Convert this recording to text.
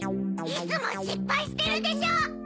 いつもしっぱいしてるでしょ！